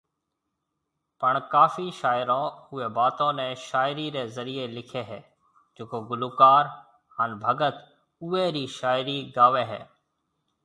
پڻ ڪافي شاعرون اوئي باتون ني شاعري ري ذريعي لکي هي جڪو گلوڪار هان بگت اوئي رِي شاعري گاوي هي